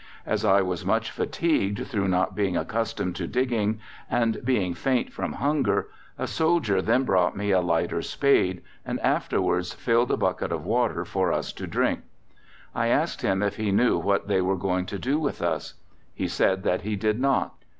As I was much fatigued through not being accustomed to digging, and being faint from hunger, a soldier then brought me a lighter spade, and afterwards filled a bucket of water for us to drink. I asked him if he knew what they were going to do with us. He said that he did not.